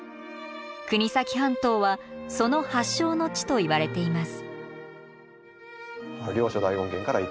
国東半島はその発祥の地といわれています。